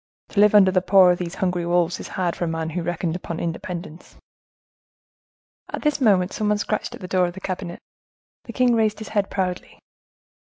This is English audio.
To live under the paw of these hungry wolves is hard for a man who reckoned upon independence." At this moment someone scratched at the door of the cabinet; the king raised his head proudly.